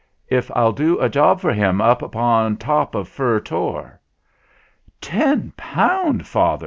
if I'll do a job for him up 'pon top of Fur Tor." "Ten pound, father!"